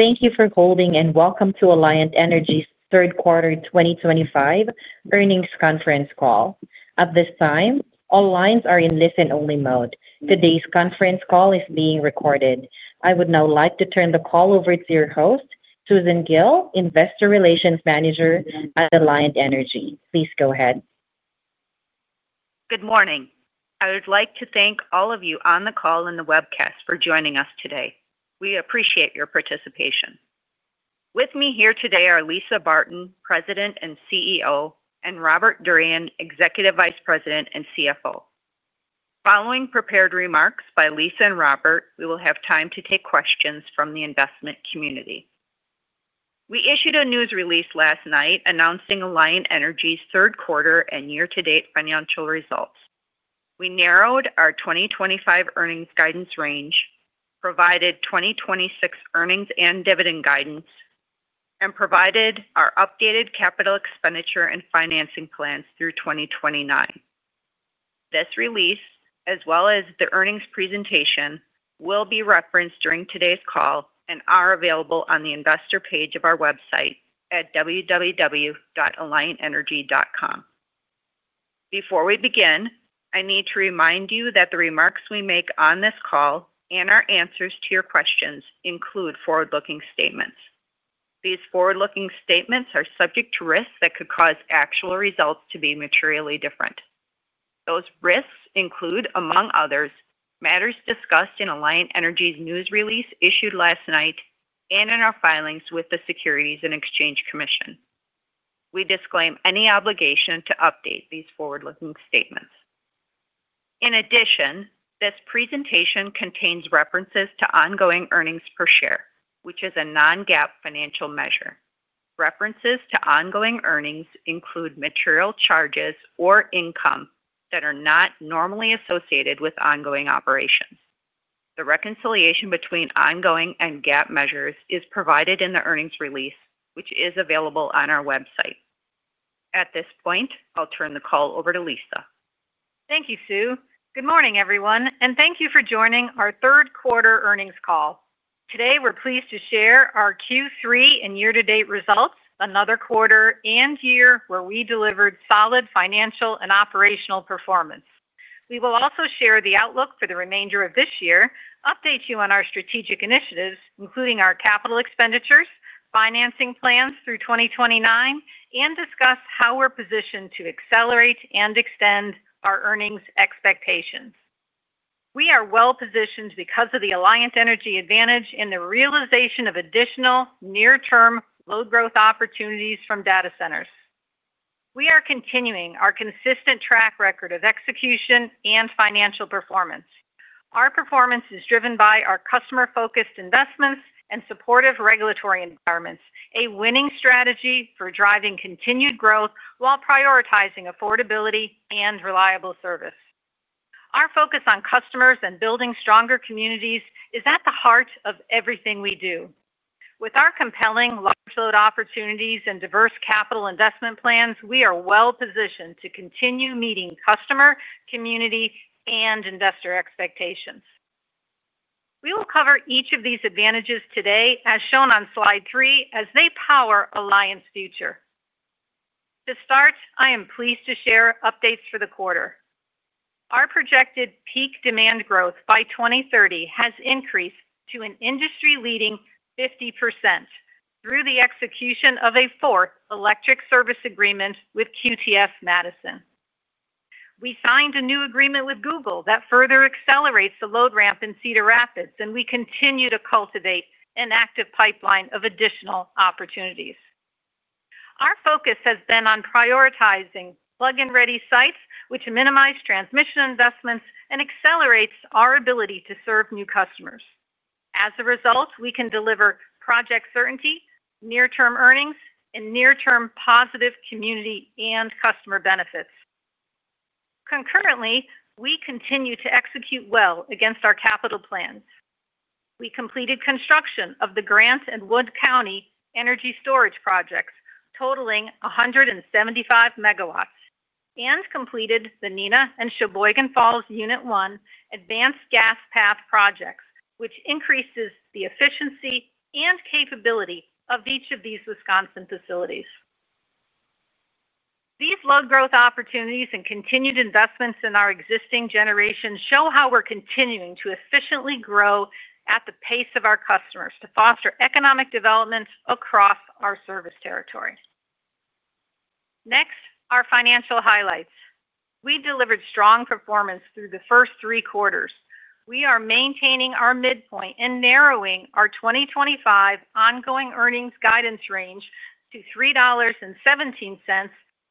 Thank you for holding, and welcome to Alliant Energy's Third Quarter 2025 earnings conference call. At this time, all lines are in listen-only mode. Today's conference call is being recorded. I would now like to turn the call over to your host, Susan Gille, Investor Relations Manager at Alliant Energy. Please go ahead. Good morning. I would like to thank all of you on the call and the webcast for joining us today. We appreciate your participation. With me here today are Lisa Barton, President and CEO, and Robert Durian, Executive Vice President and CFO. Following prepared remarks by Lisa and Robert, we will have time to take questions from the investment community. We issued a news release last night announcing Alliant Energy's third quarter and year-to-date financial results. We narrowed our 2025 earnings guidance range, provided 2026 earnings and dividend guidance, and provided our updated capital expenditure and financing plans through 2029. This release, as well as the earnings presentation, will be referenced during today's call and are available on the investor page of our website at www.alliantenergy.com. Before we begin, I need to remind you that the remarks we make on this call and our answers to your questions include forward-looking statements. These forward-looking statements are subject to risks that could cause actual results to be materially different. Those risks include, among others, matters discussed in Alliant Energy's news release issued last night and in our filings with the Securities and Exchange Commission. We disclaim any obligation to update these forward-looking statements. In addition, this presentation contains references to ongoing earnings per share, which is a non-GAAP financial measure. References to ongoing earnings include material charges or income that are not normally associated with ongoing operations. The reconciliation between ongoing and GAAP measures is provided in the earnings release, which is available on our website. At this point, I'll turn the call over to Lisa. Thank you, Sue. Good morning, everyone, and thank you for joining our third quarter earnings call. Today, we're pleased to share our Q3 and year-to-date results, another quarter and year where we delivered solid financial and operational performance. We will also share the outlook for the remainder of this year, update you on our strategic initiatives, including our capital expenditures, financing plans through 2029, and discuss how we're positioned to accelerate and extend our earnings expectations. We are well-positioned because of the Alliant Energy advantage in the realization of additional near-term load growth opportunities from data centers. We are continuing our consistent track record of execution and financial performance. Our performance is driven by our customer-focused investments and supportive regulatory environments, a winning strategy for driving continued growth while prioritizing affordability and reliable service. Our focus on customers and building stronger communities is at the heart of everything we do. With our compelling large load opportunities and diverse capital investment plans, we are well-positioned to continue meeting customer, community, and investor expectations. We will cover each of these advantages today, as shown on slide three, as they power Alliant's future. To start, I am pleased to share updates for the quarter. Our projected peak demand growth by 2030 has increased to an industry-leading 50% through the execution of a fourth electric service agreement with QTS Madison. We signed a new agreement with Google that further accelerates the load ramp in Cedar Rapids, and we continue to cultivate an active pipeline of additional opportunities. Our focus has been on prioritizing plug-and-ready sites, which minimize transmission investments and accelerate our ability to serve new customers. As a result, we can deliver project certainty, near-term earnings, and near-term positive community and customer benefits. Concurrently, we continue to execute well against our capital plans. We completed construction of the Grant and Wood County energy storage projects totaling 175 MW and completed the Neenah and Sheboygan Falls Unit One advanced gas path projects, which increases the efficiency and capability of each of these Wisconsin facilities. These low-growth opportunities and continued investments in our existing generation show how we're continuing to efficiently grow at the pace of our customers to foster economic developments across our service territory. Next, our financial highlights. We delivered strong performance through the first three quarters. We are maintaining our midpoint and narrowing our 2025 ongoing earnings guidance range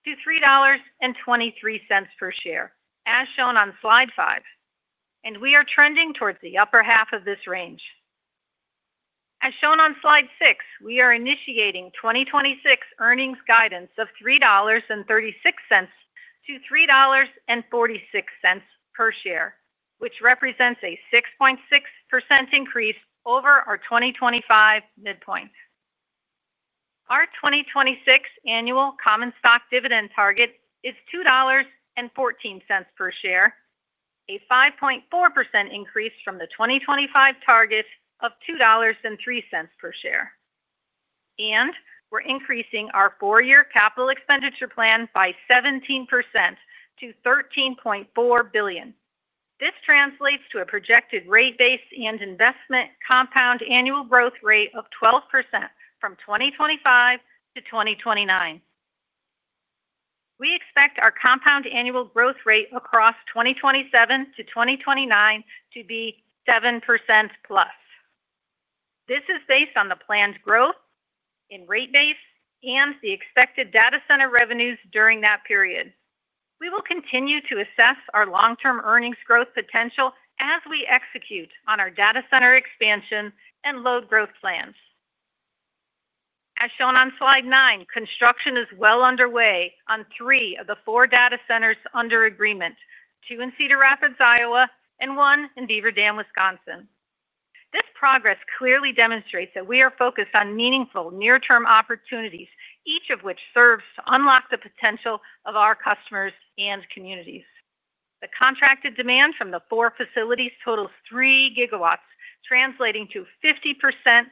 to $3.17-$3.23 per share, as shown on slide five, and we are trending towards the upper half of this range. As shown on slide six, we are initiating 2026 earnings guidance of $3.36-$3.46 per share, which represents a 6.6% increase over our 2025 midpoint. Our 2026 annual common stock dividend target is $2.14 per share, a 5.4% increase from the 2025 target of $2.03 per share. We are increasing our four-year capital expenditure plan by 17% to $13.4 billion. This translates to a projected rate base and investment compound annual growth rate of 12% from 2025-2029. We expect our compound annual growth rate across 2027-2029 to be 7%+. This is based on the planned growth in rate base and the expected data center revenues during that period. We will continue to assess our long-term earnings growth potential as we execute on our data center expansion and load growth plans. As shown on slide nine, construction is well underway on three of the four data centers under agreement, two in Cedar Rapids, Iowa, and one in Beaver Dam, Wisconsin. This progress clearly demonstrates that we are focused on meaningful near-term opportunities, each of which serves to unlock the potential of our customers and communities. The contracted demand from the four facilities totals 3 GW, translating to 50% peak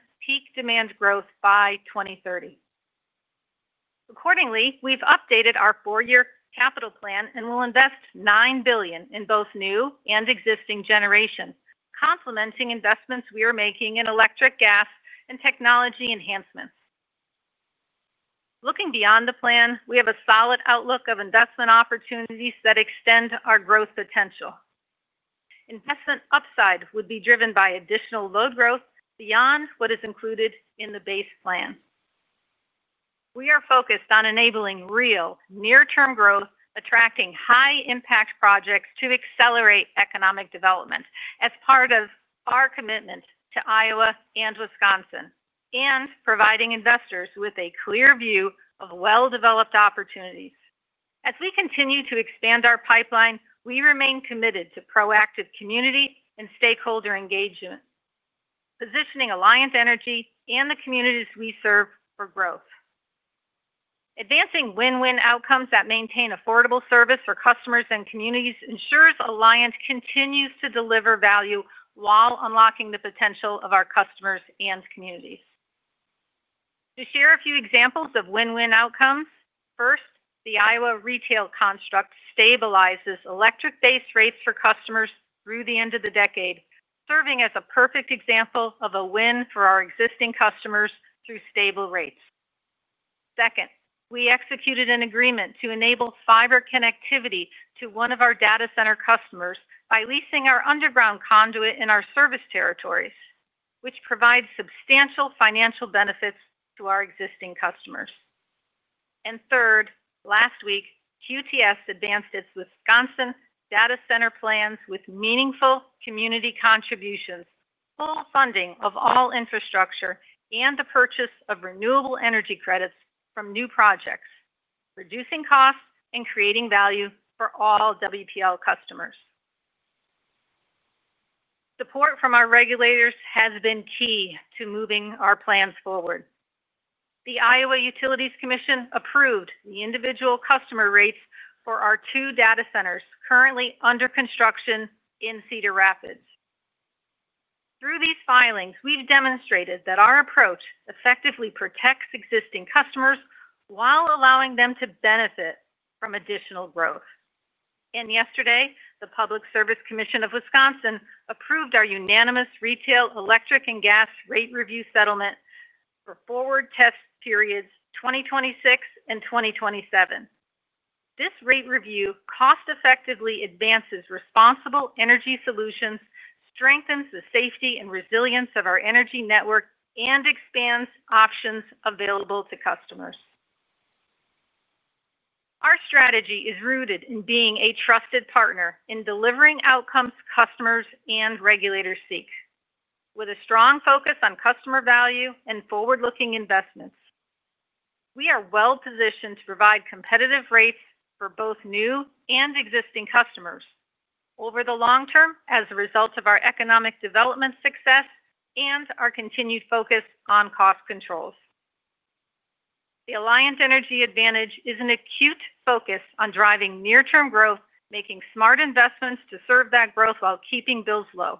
demand growth by 2030. Accordingly, we've updated our four-year capital plan and will invest $9 billion in both new and existing generation, complementing investments we are making in electric, gas, and technology enhancements. Looking beyond the plan, we have a solid outlook of investment opportunities that extend our growth potential. Investment upside would be driven by additional load growth beyond what is included in the base plan. We are focused on enabling real near-term growth, attracting high-impact projects to accelerate economic development as part of our commitment to Iowa and Wisconsin, and providing investors with a clear view of well-developed opportunities. As we continue to expand our pipeline, we remain committed to proactive community and stakeholder engagement, positioning Alliant Energy and the communities we serve for growth. Advancing win-win outcomes that maintain affordable service for customers and communities ensures Alliant continues to deliver value while unlocking the potential of our customers and communities. To share a few examples of win-win outcomes, first, the Iowa retail construct stabilizes electric-based rates for customers through the end of the decade, serving as a perfect example of a win for our existing customers through stable rates. Second, we executed an agreement to enable fiber connectivity to one of our data center customers by leasing our underground conduit in our service territories, which provides substantial financial benefits to our existing customers. Third, last week, QTS advanced its Wisconsin data center plans with meaningful community contributions, full funding of all infrastructure, and the purchase of renewable energy credits from new projects, reducing costs and creating value for all WPL customers. Support from our regulators has been key to moving our plans forward. The Iowa Utilities Commission approved the individual customer rates for our two data centers currently under construction in Cedar Rapids. Through these filings, we've demonstrated that our approach effectively protects existing customers while allowing them to benefit from additional growth. Yesterday, the Public Service Commission of Wisconsin approved our unanimous retail electric and gas rate review settlement for forward test periods 2026 and 2027. This rate review cost-effectively advances responsible energy solutions, strengthens the safety and resilience of our energy network, and expands options available to customers. Our strategy is rooted in being a trusted partner in delivering outcomes customers and regulators seek, with a strong focus on customer value and forward-looking investments. We are well-positioned to provide competitive rates for both new and existing customers over the long term as a result of our economic development success and our continued focus on cost controls. The Alliant Energy advantage is an acute focus on driving near-term growth, making smart investments to serve that growth while keeping bills low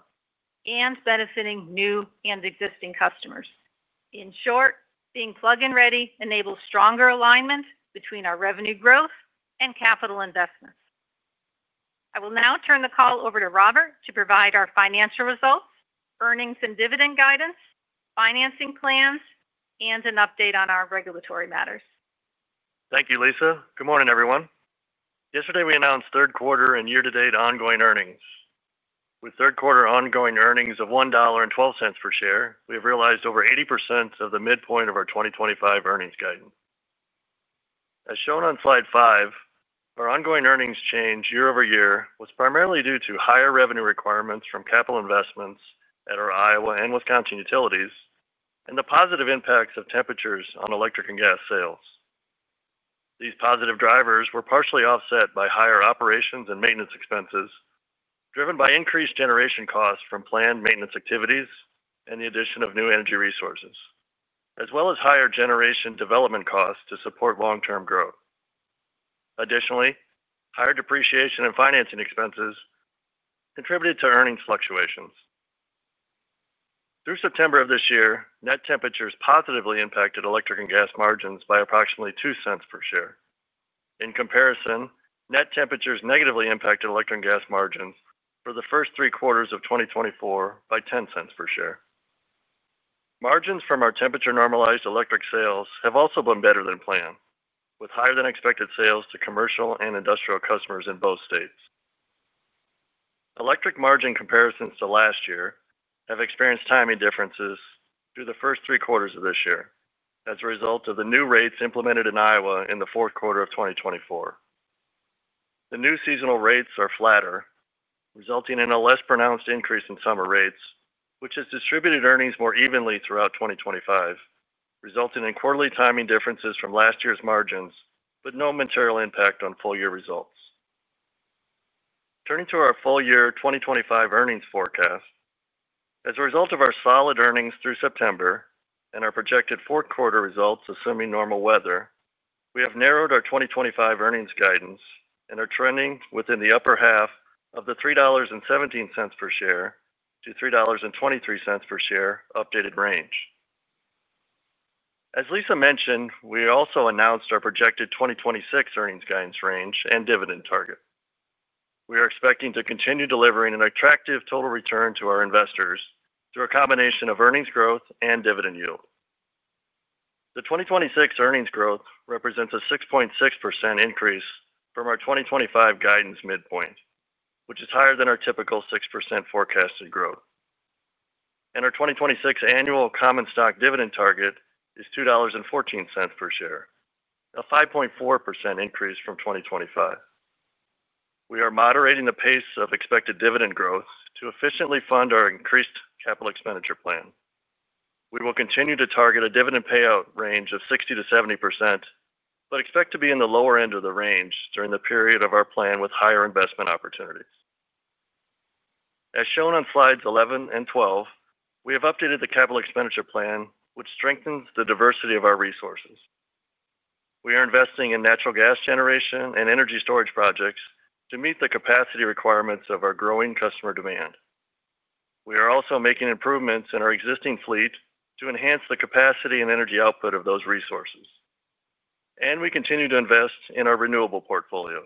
and benefiting new and existing customers. In short, being plug-and-ready enables stronger alignment between our revenue growth and capital investments. I will now turn the call over to Robert to provide our financial results, earnings and dividend guidance, financing plans, and an update on our regulatory matters. Thank you, Lisa. Good morning, everyone. Yesterday, we announced third quarter and year-to-date ongoing earnings. With third quarter ongoing earnings of $1.12 per share, we have realized over 80% of the midpoint of our 2025 earnings guidance. As shown on slide five, our ongoing earnings change year over year was primarily due to higher revenue requirements from capital investments at our Iowa and Wisconsin utilities and the positive impacts of temperatures on electric and gas sales. These positive drivers were partially offset by higher operations and maintenance expenses driven by increased generation costs from planned maintenance activities and the addition of new energy resources, as well as higher generation development costs to support long-term growth. Additionally, higher depreciation and financing expenses contributed to earnings fluctuations. Through September of this year, net temperatures positively impacted electric and gas margins by approximately 2 cents per share. In comparison, net temperatures negatively impacted electric and gas margins for the first three quarters of 2024 by $0.10 per share. Margins from our temperature normalized electric sales have also been better than planned, with higher than expected sales to commercial and industrial customers in both states. Electric margin comparisons to last year have experienced timing differences through the first three quarters of this year as a result of the new rates implemented in Iowa in the fourth quarter of 2024. The new seasonal rates are flatter, resulting in a less pronounced increase in summer rates, which has distributed earnings more evenly throughout 2025, resulting in quarterly timing differences from last year's margins, but no material impact on full-year results. Turning to our full-year 2025 earnings forecast, as a result of our solid earnings through September and our projected fourth quarter results assuming normal weather, we have narrowed our 2025 earnings guidance and are trending within the upper half of the $3.17 per share-$3.23 per share updated range. As Lisa mentioned, we also announced our projected 2026 earnings guidance range and dividend target. We are expecting to continue delivering an attractive total return to our investors through a combination of earnings growth and dividend yield. The 2026 earnings growth represents a 6.6% increase from our 2025 guidance midpoint, which is higher than our typical 6% forecasted growth. Our 2026 annual common stock dividend target is $2.14 per share, a 5.4% increase from 2025. We are moderating the pace of expected dividend growth to efficiently fund our increased capital expenditure plan. We will continue to target a dividend payout range of 60%-70%, but expect to be in the lower end of the range during the period of our plan with higher investment opportunities. As shown on slides 11 and 12, we have updated the capital expenditure plan, which strengthens the diversity of our resources. We are investing in natural gas generation and energy storage projects to meet the capacity requirements of our growing customer demand. We are also making improvements in our existing fleet to enhance the capacity and energy output of those resources. We continue to invest in our renewable portfolio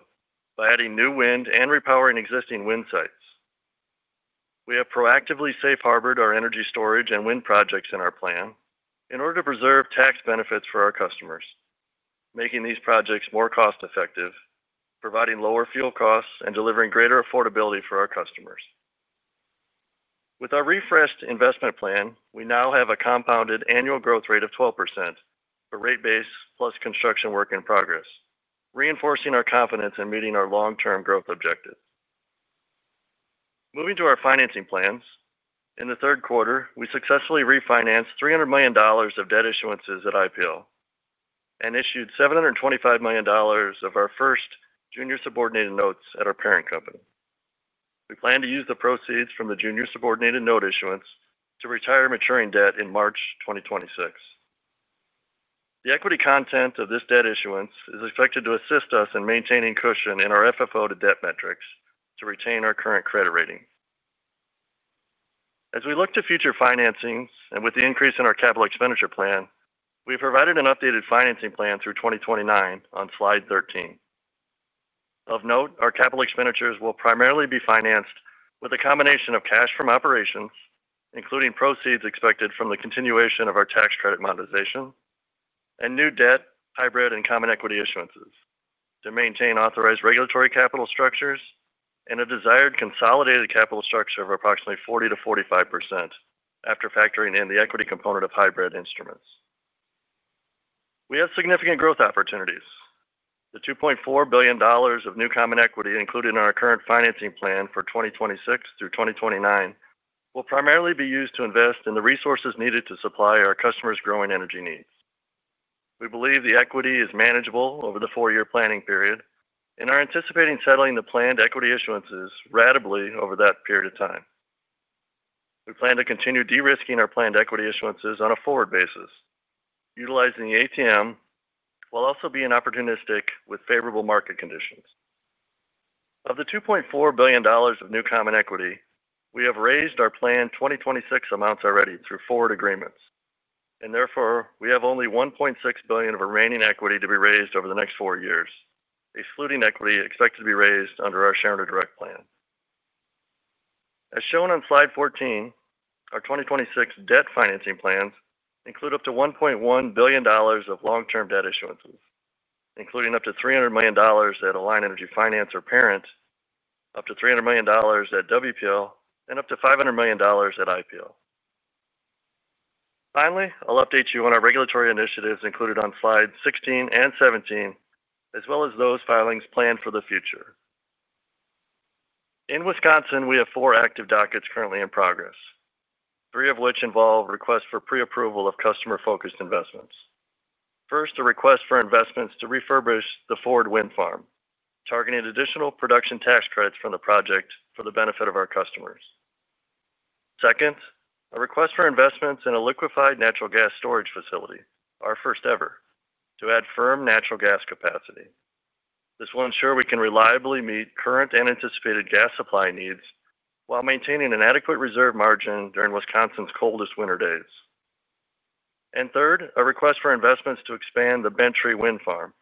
by adding new wind and repowering existing wind sites. We have proactively safe harbored our energy storage and wind projects in our plan in order to preserve tax benefits for our customers, making these projects more cost-effective, providing lower fuel costs, and delivering greater affordability for our customers. With our refreshed investment plan, we now have a compound annual growth rate of 12%, a rate base plus construction work in progress, reinforcing our confidence in meeting our long-term growth objectives. Moving to our financing plans, in the third quarter, we successfully refinanced $300 million of debt issuances at IPL and issued $725 million of our first junior subordinated notes at our parent company. We plan to use the proceeds from the junior subordinated note issuance to retire maturing debt in March 2026. The equity content of this debt issuance is expected to assist us in maintaining cushion in our FFO to debt metrics to retain our current credit rating. As we look to future financings and with the increase in our capital expenditure plan, we have provided an updated financing plan through 2029 on slide 13. Of note, our capital expenditures will primarily be financed with a combination of cash from operations, including proceeds expected from the continuation of our tax credit monetization, and new debt, hybrid, and common equity issuances to maintain authorized regulatory capital structures and a desired consolidated capital structure of approximately 40%-45% after factoring in the equity component of hybrid instruments. We have significant growth opportunities. The $2.4 billion of new common equity included in our current financing plan for 2026-2029 will primarily be used to invest in the resources needed to supply our customers' growing energy needs. We believe the equity is manageable over the four-year planning period, and are anticipating settling the planned equity issuances ratably over that period of time. We plan to continue de-risking our planned equity issuances on a forward basis, utilizing the ATM while also being opportunistic with favorable market conditions. Of the $2.4 billion of new common equity, we have raised our planned 2026 amounts already through forward agreements. Therefore, we have only $1.6 billion of remaining equity to be raised over the next four years, excluding equity expected to be raised under our shareholder direct plan. As shown on slide 14, our 2026 debt financing plans include up to $1.1 billion of long-term debt issuances, including up to $300 million at Alliant Energy Finance or parent, up to $300 million at WPL, and up to $500 million at IPL. Finally, I'll update you on our regulatory initiatives included on slides 16 and 17, as well as those filings planned for the future. In Wisconsin, we have four active dockets currently in progress, three of which involve requests for pre-approval of customer-focused investments. First, a request for investments to refurbish the Forward Wind Farm, targeting additional production tax credits from the project for the benefit of our customers. Second, a request for investments in a liquefied natural gas storage facility, our first ever, to add firm natural gas capacity. This will ensure we can reliably meet current and anticipated gas supply needs while maintaining an adequate reserve margin during Wisconsin's coldest winter days. Third, a request for investments to expand the Bent Tree Wind Farm,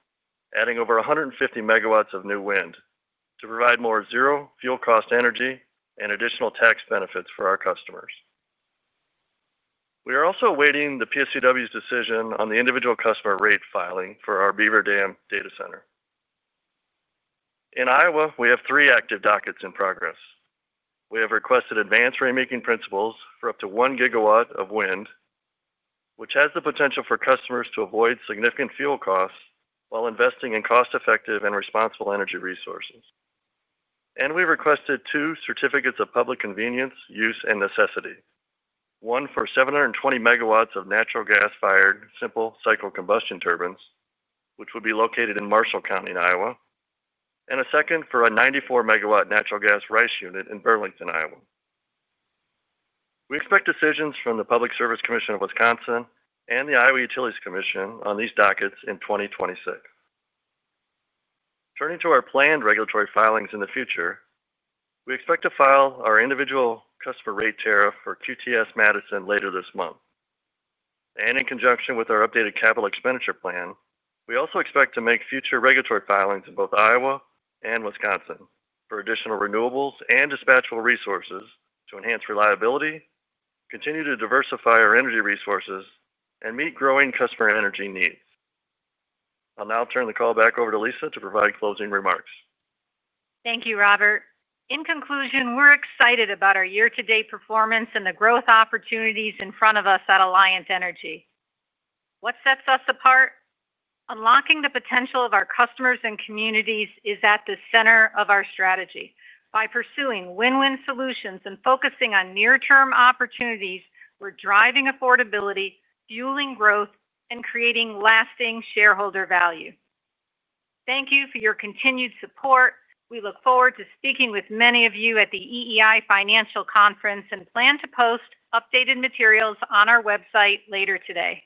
adding over 150 MW of new wind to provide more zero fuel-cost energy and additional tax benefits for our customers. We are also awaiting the PSCW's decision on the individual customer rate filing for our Beaver Dam data center. In Iowa, we have three active dockets in progress. We have requested advanced ratemaking principles for up to 1 GW of wind, which has the potential for customers to avoid significant fuel costs while investing in cost-effective and responsible energy resources. We requested two certificates of public convenience, use, and necessity: one for 720 MW of natural gas-fired simple cycle combustion turbines, which would be located in Marshall County, Iowa, and a second for a 94 MW natural gas RICE unit in Burlington, Iowa. We expect decisions from the Public Service Commission of Wisconsin and the Iowa Utilities Commission on these dockets in 2026. Turning to our planned regulatory filings in the future, we expect to file our individual customer rate tariff for QTS Madison later this month. In conjunction with our updated capital expenditure plan, we also expect to make future regulatory filings in both Iowa and Wisconsin for additional renewables and dispatchable resources to enhance reliability, continue to diversify our energy resources, and meet growing customer energy needs. I'll now turn the call back over to Lisa to provide closing remarks. Thank you, Robert. In conclusion, we're excited about our year-to-date performance and the growth opportunities in front of us at Alliant Energy. What sets us apart? Unlocking the potential of our customers and communities is at the center of our strategy. By pursuing win-win solutions and focusing on near-term opportunities, we're driving affordability, fueling growth, and creating lasting shareholder value. Thank you for your continued support. We look forward to speaking with many of you at the EEI Financial Conference and plan to post updated materials on our website later today.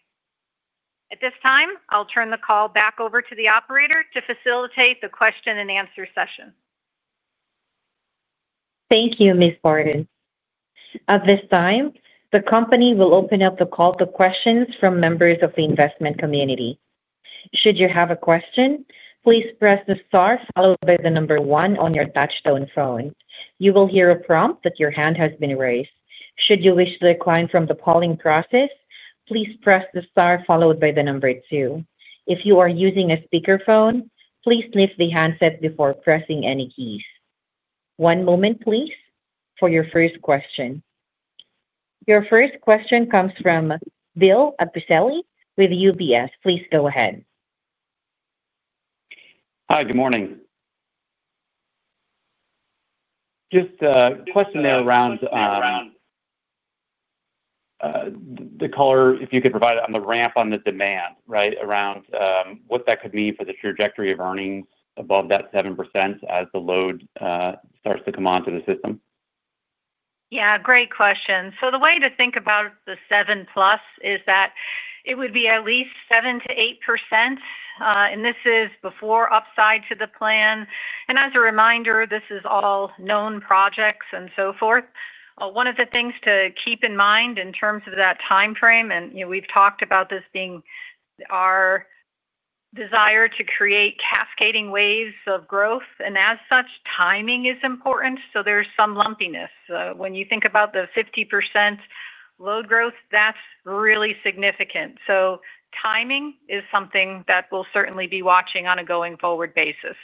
At this time, I'll turn the call back over to the operator to facilitate the question-and-answer session. Thank you, Ms. Barton. At this time, the company will open up the call to questions from members of the investment community. Should you have a question, please press the star followed by the number one on your touch-tone phone. You will hear a prompt that your hand has been raised. Should you wish to decline from the polling process, please press the star followed by the number two. If you are using a speakerphone, please lift the handset before pressing any keys. One moment, please, for your first question. Your first question comes from Bill Appicelli with UBS. Please go ahead. Hi, good morning. Just a question there around the color, if you could provide it on the ramp on the demand, right, around what that could mean for the trajectory of earnings above that 7% as the load starts to come onto the system. Yeah, great question. The way to think about the 7+ is that it would be at least 7%-8%. This is before upside to the plan. As a reminder, this is all known projects and so forth. One of the things to keep in mind in terms of that timeframe, we've talked about this being our desire to create cascading waves of growth. As such, timing is important. There is some lumpiness. When you think about the 50% load growth, that's really significant. Timing is something that we'll certainly be watching on a going-forward basis.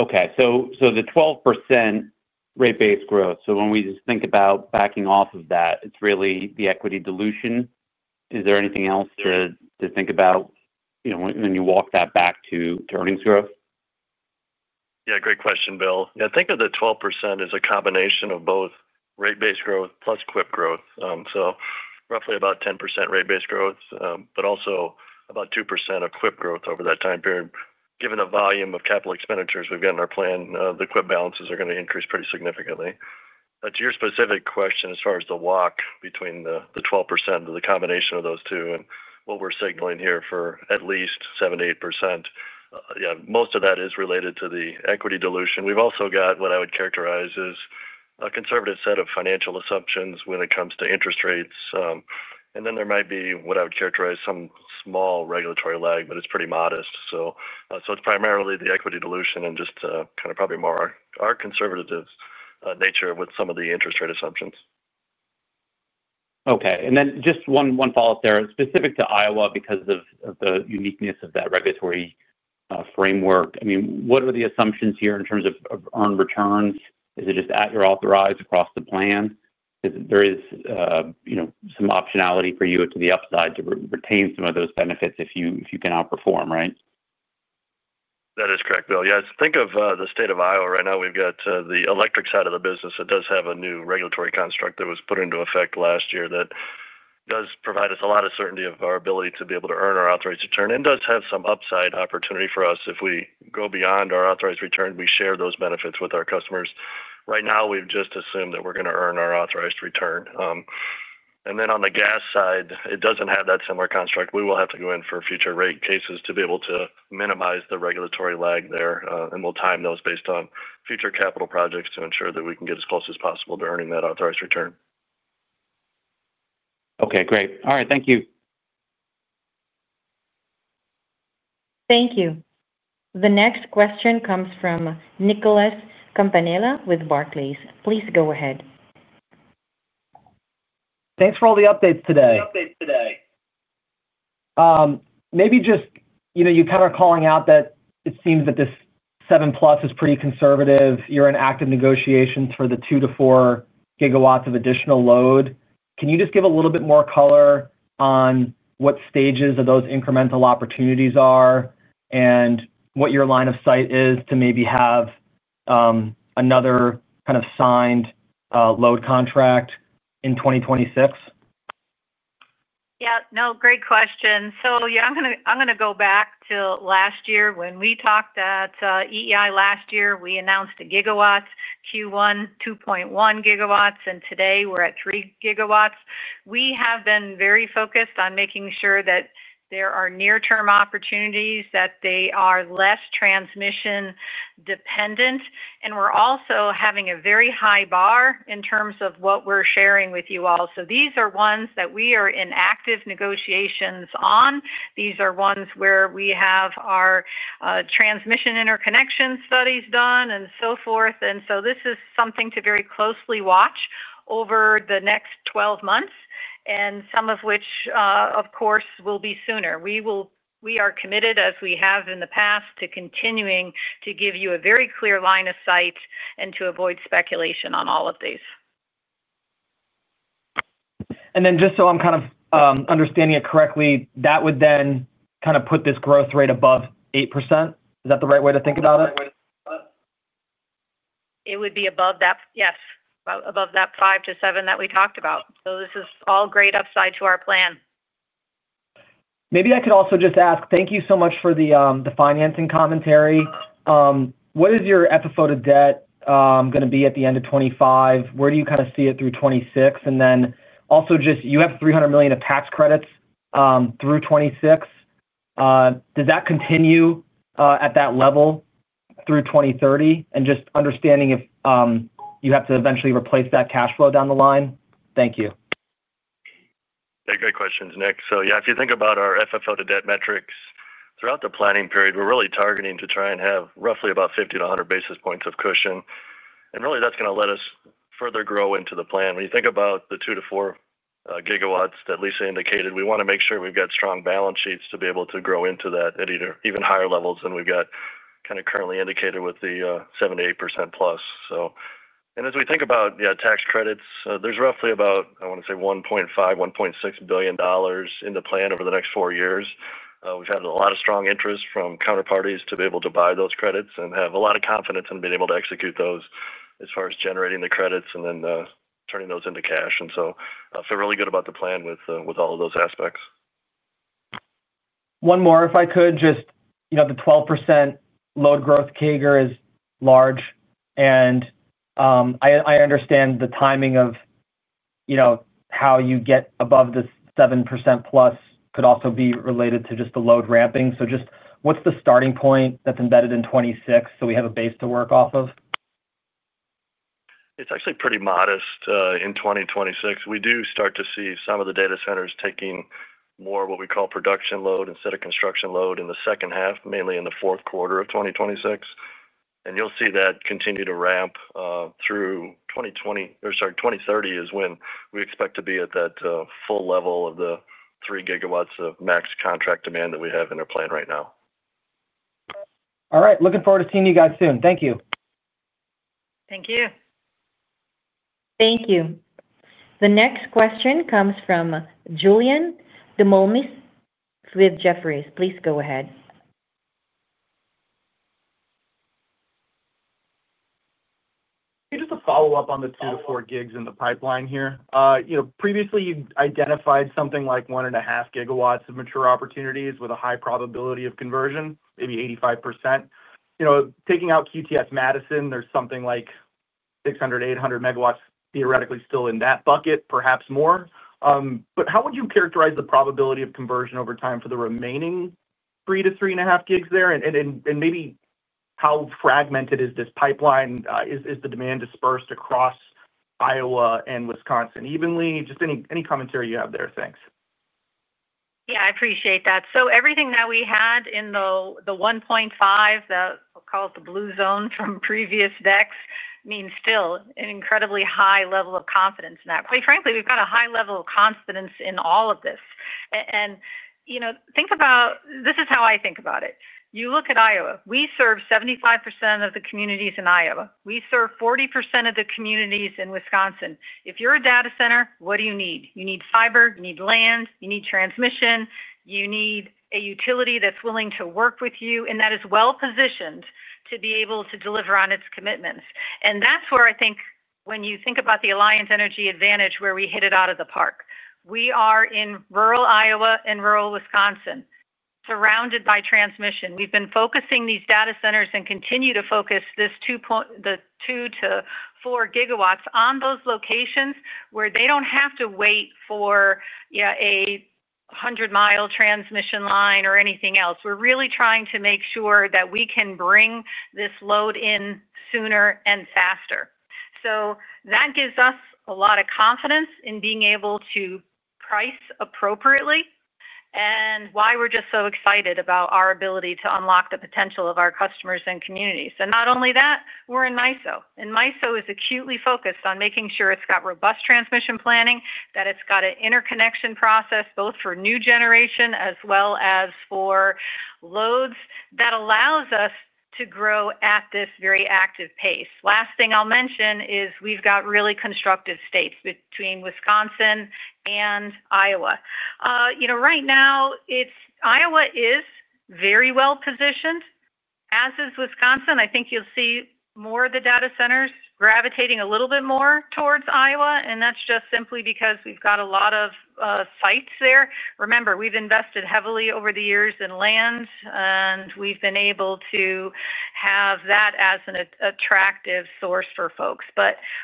Okay. So the 12% rate-based growth, so when we just think about backing off of that, it's really the equity dilution. Is there anything else to think about when you walk that back to earnings growth? Yeah, great question, Bill. Yeah, think of the 12% as a combination of both rate-based growth plus QIP growth. So roughly about 10% rate-based growth, but also about 2% of QIP growth over that time period. Given the volume of capital expenditures we've got in our plan, the QIP balances are going to increase pretty significantly. To your specific question, as far as the walk between the 12%, the combination of those two, and what we're signaling here for at least 7%-8%, yeah, most of that is related to the equity dilution. We've also got what I would characterize as a conservative set of financial assumptions when it comes to interest rates. There might be what I would characterize as some small regulatory lag, but it's pretty modest. It's primarily the equity dilution and just kind of probably more our conservative nature with some of the interest rate assumptions. Okay. And then just one follow-up there. Specific to Iowa, because of the uniqueness of that regulatory framework, I mean, what are the assumptions here in terms of earned returns? Is it just at your authorized across the plan? There is some optionality for you to the upside to retain some of those benefits if you can outperform, right? That is correct, Bill. Yes. Think of the state of Iowa right now. We've got the electric side of the business that does have a new regulatory construct that was put into effect last year that does provide us a lot of certainty of our ability to be able to earn our authorized return. It does have some upside opportunity for us if we go beyond our authorized return. We share those benefits with our customers. Right now, we've just assumed that we're going to earn our authorized return. On the gas side, it doesn't have that similar construct. We will have to go in for future rate cases to be able to minimize the regulatory lag there. We'll time those based on future capital projects to ensure that we can get as close as possible to earning that authorized return. Okay, great. All right, thank you. Thank you. The next question comes from Nicholas Campanella with Barclays. Please go ahead. Thanks for all the updates today. Maybe just you kind of are calling out that it seems that this 7+ is pretty conservative. You're in active negotiations for the 2 GW-4 GW of additional load. Can you just give a little bit more color on what stages of those incremental opportunities are and what your line of sight is to maybe have another kind of signed load contract in 2026? Yeah. No, great question. Yeah, I'm going to go back to last year when we talked at EEI last year. We announced 1 GW, Q1, 2.1 GW. Today, we're at 3 GW. We have been very focused on making sure that there are near-term opportunities, that they are less transmission dependent. We're also having a very high bar in terms of what we're sharing with you all. These are ones that we are in active negotiations on. These are ones where we have our transmission interconnection studies done and so forth. This is something to very closely watch over the next 12 months, and some of which, of course, will be sooner. We are committed, as we have in the past, to continuing to give you a very clear line of sight and to avoid speculation on all of these. Just so I'm kind of understanding it correctly, that would then kind of put this growth rate above 8%? Is that the right way to think about it? It would be above that, yes, above that 5%-7% that we talked about. This is all great upside to our plan. Maybe I could also just ask, thank you so much for the financing commentary. What is your FFO to debt going to be at the end of 2025? Where do you kind of see it through 2026? Also, you have $300 million of tax credits through 2026. Does that continue at that level through 2030? Just understanding if you have to eventually replace that cash flow down the line? Thank you. Yeah, great questions, Nick. Yeah, if you think about our FFO to debt metrics throughout the planning period, we're really targeting to try and have roughly about 50-100 basis points of cushion. Really, that's going to let us further grow into the plan. When you think about the 2 GW-4 GW that Lisa indicated, we want to make sure we've got strong balance sheets to be able to grow into that at even higher levels than we've got kind of currently indicated with the 7%-8%+. As we think about, yeah, tax credits, there's roughly about, I want to say, $1.5 billion-$1.6 billion in the plan over the next four years. We've had a lot of strong interest from counterparties to be able to buy those credits and have a lot of confidence in being able to execute those as far as generating the credits and then turning those into cash. I feel really good about the plan with all of those aspects. One more, if I could, just the 12% load growth CAGR is large. I understand the timing of how you get above the 7%+ could also be related to just the load ramping. Just what's the starting point that's embedded in 2026 so we have a base to work off of? It's actually pretty modest in 2026. We do start to see some of the data centers taking more of what we call production load instead of construction load in the second half, mainly in the fourth quarter of 2026. You will see that continue to ramp through 2020, or sorry, 2030 is when we expect to be at that full level of the 3 GW of max contract demand that we have in our plan right now. All right. Looking forward to seeing you guys soon. Thank you. Thank you. Thank you. The next question comes from Julien Dumoulin-Smith with Jefferies. Please go ahead. Just a follow-up on the 2 GW-4 GW in the pipeline here. Previously, you identified something like 1.5 GW of mature opportunities with a high probability of conversion, maybe 85%. Taking out QTS Madison, there's something like 600 MW-800 MW theoretically still in that bucket, perhaps more. How would you characterize the probability of conversion over time for the remaining 3 GW-3.5 GW there? Maybe how fragmented is this pipeline? Is the demand dispersed across Iowa and Wisconsin evenly? Just any commentary you have there, thanks. Yeah, I appreciate that. Everything that we had in the 1.5, I'll call it the blue zone from previous decks, means still an incredibly high level of confidence in that. Quite frankly, we've got a high level of confidence in all of this. Think about this is how I think about it. You look at Iowa. We serve 75% of the communities in Iowa. We serve 40% of the communities in Wisconsin. If you're a data center, what do you need? You need fiber, you need land, you need transmission, you need a utility that's willing to work with you and that is well-positioned to be able to deliver on its commitments. That's where I think when you think about the Alliant Energy advantage where we hit it out of the park. We are in rural Iowa and rural Wisconsin surrounded by transmission. We've been focusing these data centers and continue to focus the 2 GW-4 GW on those locations where they do not have to wait for a 100 mi transmission line or anything else. We are really trying to make sure that we can bring this load in sooner and faster. That gives us a lot of confidence in being able to price appropriately and why we are just so excited about our ability to unlock the potential of our customers and communities. Not only that, we are in MISO. MISO is acutely focused on making sure it has robust transmission planning, that it has an interconnection process both for new generation as well as for loads that allows us to grow at this very active pace. Last thing I will mention is we have really constructive states between Wisconsin and Iowa. Right now, Iowa is very well-positioned, as is Wisconsin. I think you'll see more of the data centers gravitating a little bit more towards Iowa. That's just simply because we've got a lot of sites there. Remember, we've invested heavily over the years in land, and we've been able to have that as an attractive source for folks.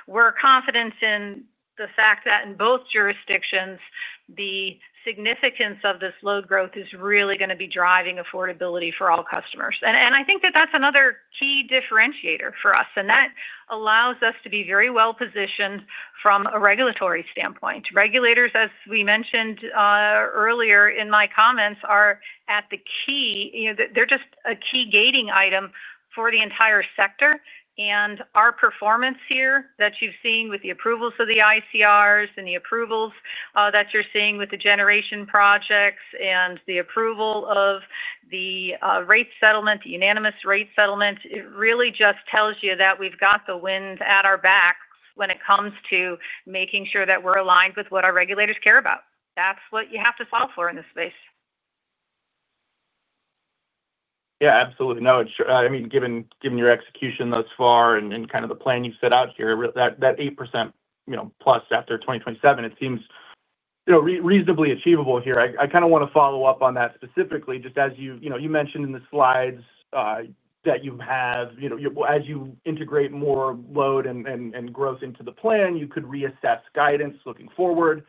We're confident in the fact that in both jurisdictions, the significance of this load growth is really going to be driving affordability for all customers. I think that's another key differentiator for us. That allows us to be very well-positioned from a regulatory standpoint. Regulators, as we mentioned earlier in my comments, are just a key gating item for the entire sector. Our performance here that you've seen with the approvals of the ICRs and the approvals that you're seeing with the generation projects and the approval of the rate settlement, the unanimous rate settlement, it really just tells you that we've got the wind at our back when it comes to making sure that we're aligned with what our regulators care about. That's what you have to solve for in this space. Yeah, absolutely. No, I mean, given your execution thus far and kind of the plan you set out here, that 8%+ after 2027, it seems reasonably achievable here. I kind of want to follow up on that specifically, just as you mentioned in the slides that you have, as you integrate more load and growth into the plan, you could reassess guidance looking forward.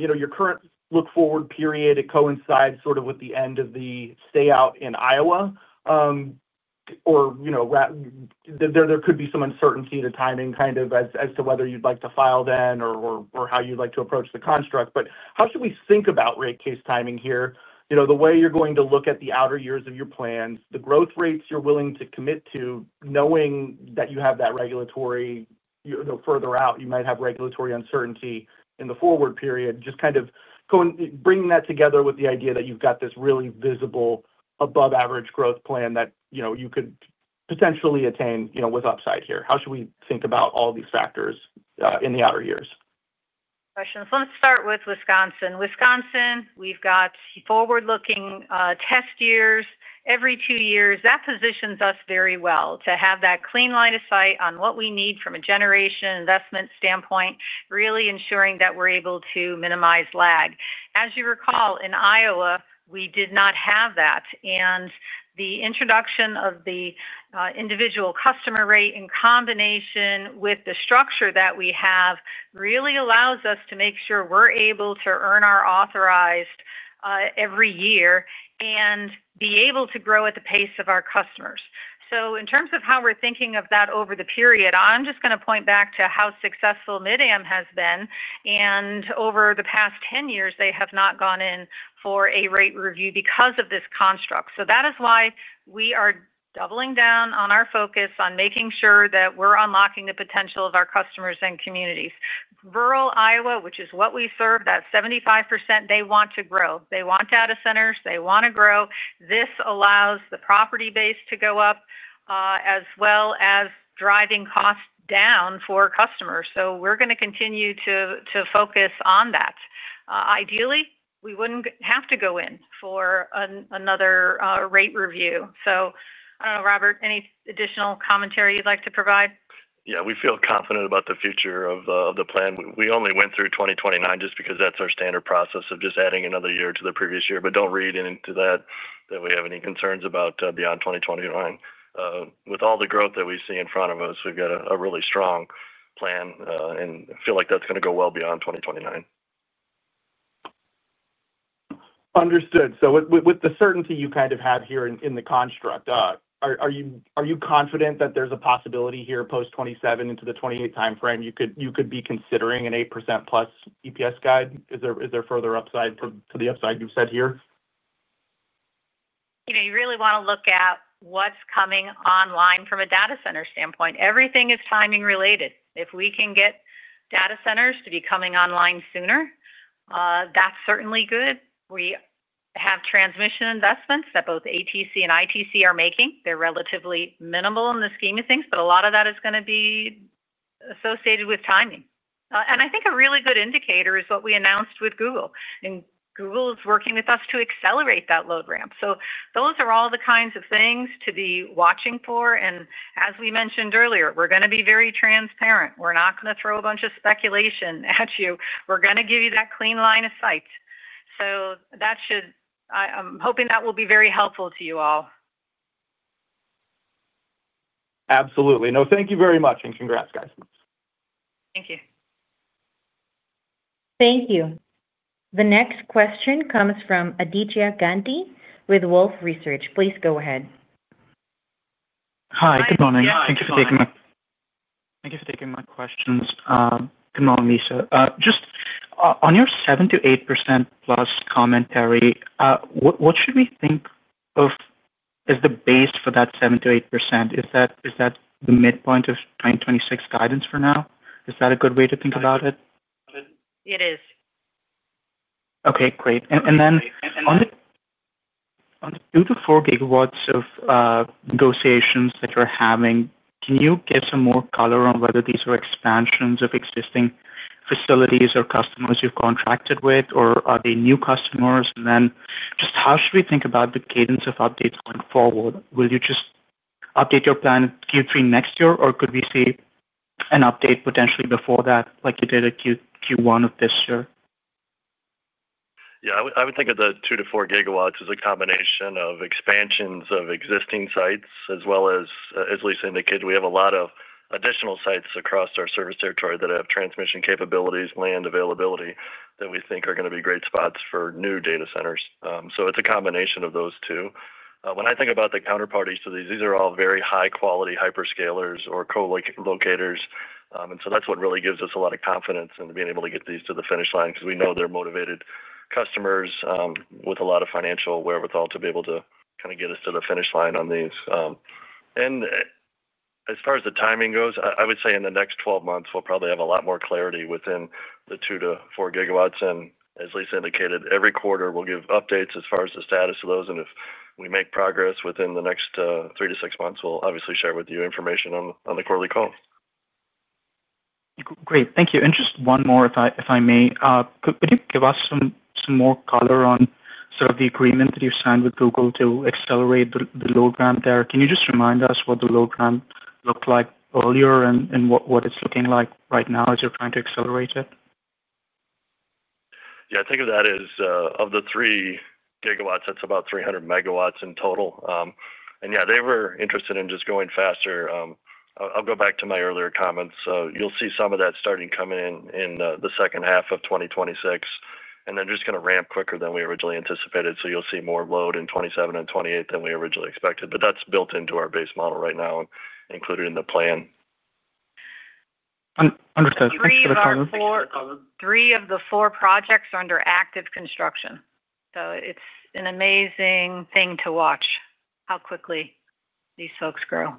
Your current look-forward period, it coincides sort of with the end of the stay-out in Iowa. There could be some uncertainty to timing kind of as to whether you'd like to file then or how you'd like to approach the construct. How should we think about rate case timing here? The way you're going to look at the outer years of your plans, the growth rates you're willing to commit to, knowing that you have that regulatory further out, you might have regulatory uncertainty in the forward period, just kind of bringing that together with the idea that you've got this really visible above-average growth plan that you could potentially attain with upside here. How should we think about all these factors in the outer years? Questions. Let's start with Wisconsin. Wisconsin, we've got forward-looking test years every two years. That positions us very well to have that clean line of sight on what we need from a generation investment standpoint, really ensuring that we're able to minimize lag. As you recall, in Iowa, we did not have that. The introduction of the individual customer rate in combination with the structure that we have really allows us to make sure we're able to earn our authorized every year and be able to grow at the pace of our customers. In terms of how we're thinking of that over the period, I'm just going to point back to how successful Mid-Am has been. Over the past 10 years, they have not gone in for a rate review because of this construct. That is why we are doubling down on our focus on making sure that we're unlocking the potential of our customers and communities. Rural Iowa, which is what we serve, that 75%, they want to grow. They want data centers. They want to grow. This allows the property base to go up as well as driving costs down for customers. We're going to continue to focus on that. Ideally, we wouldn't have to go in for another rate review. I don't know, Robert, any additional commentary you'd like to provide? Yeah, we feel confident about the future of the plan. We only went through 2029 just because that's our standard process of just adding another year to the previous year. Do not read into that that we have any concerns about beyond 2029. With all the growth that we see in front of us, we've got a really strong plan and feel like that's going to go well beyond 2029. Understood. With the certainty you kind of have here in the construct, are you confident that there's a possibility here post 2027 into the 2028 timeframe you could be considering an 8%+ EPS guide? Is there further upside to the upside you've said here? You really want to look at what's coming online from a data center standpoint. Everything is timing related. If we can get data centers to be coming online sooner, that's certainly good. We have transmission investments that both ATC and ITC are making. They're relatively minimal in the scheme of things, but a lot of that is going to be associated with timing. I think a really good indicator is what we announced with Google. Google is working with us to accelerate that load ramp. Those are all the kinds of things to be watching for. As we mentioned earlier, we're going to be very transparent. We're not going to throw a bunch of speculation at you. We're going to give you that clean line of sight. I'm hoping that will be very helpful to you all. Absolutely. No, thank you very much and congrats, guys. Thank you. Thank you. The next question comes from Aditya Gandhi with Wolfe Research. Please go ahead. Hi, good morning. Thank you for taking my questions. Good morning, Lisa. Just on your 7%-8%+ commentary, what should we think of as the base for that 7%-8%? Is that the midpoint of 2026 guidance for now? Is that a good way to think about it? It is. Okay, great. On the 2 GW-4 GW of negotiations that you're having, can you give some more color on whether these are expansions of existing facilities or customers you've contracted with, or are they new customers? How should we think about the cadence of updates going forward? Will you just update your plan in Q3 next year, or could we see an update potentially before that, like you did at Q1 of this year? Yeah, I would think of the 2 GW-4 GW as a combination of expansions of existing sites, as well as, as Lisa indicated, we have a lot of additional sites across our service territory that have transmission capabilities, land availability that we think are going to be great spots for new data centers. It is a combination of those two. When I think about the counterparty to these, these are all very high-quality hyperscalers or co-locators. That is what really gives us a lot of confidence in being able to get these to the finish line because we know they are motivated customers with a lot of financial wherewithal to be able to kind of get us to the finish line on these. As far as the timing goes, I would say in the next 12 months, we'll probably have a lot more clarity within the 2 GW-4 GW. As Lisa indicated, every quarter, we'll give updates as far as the status of those. If we make progress within the next 3-6 months, we'll obviously share with you information on the quarterly call. Great. Thank you. Just one more, if I may. Could you give us some more color on sort of the agreement that you've signed with Google to accelerate the load ramp there? Could you just remind us what the load ramp looked like earlier and what it's looking like right now as you're trying to accelerate it? Yeah, I think of that as of the 3 GW, that's about 300 MW in total. Yeah, they were interested in just going faster. I'll go back to my earlier comments. You'll see some of that starting coming in the second half of 2026, and then just going to ramp quicker than we originally anticipated. You'll see more load in 2027 and 2028 than we originally expected. That's built into our base model right now and included in the plan. Understood. Three of the four projects are under active construction. It's an amazing thing to watch how quickly these folks grow.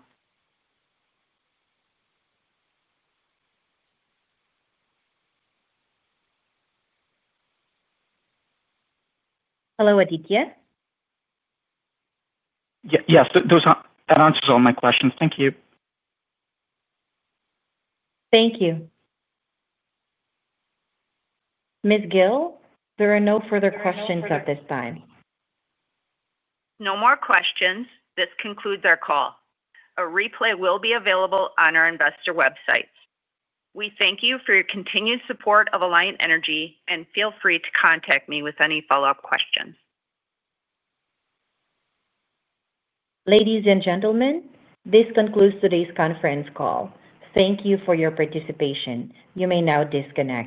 Hello, Aditya. Yes, that answers all my questions. Thank you. Thank you. Ms. Gille, there are no further questions at this time. No more questions. This concludes our call. A replay will be available on our investor websites. We thank you for your continued support of Alliant Energy and feel free to contact me with any follow-up questions. Ladies and gentlemen, this concludes today's conference call. Thank you for your participation. You may now disconnect.